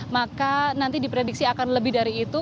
maka nanti diprediksi akan lebih dari itu